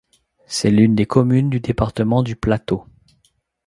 C'est l'une des communes du département du Plateau.